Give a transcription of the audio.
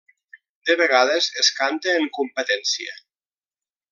De vegades es canta en competència.